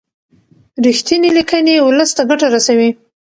رښتینې لیکنې ولس ته ګټه رسوي.